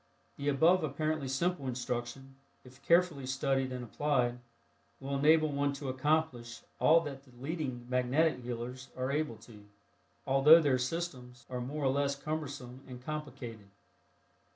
The above apparently simple instruction, if carefully studied and applied, will enable one to accomplish all that the leading "magnetic healers" are able to, although their "systems" are more or less cumbersome and complicated.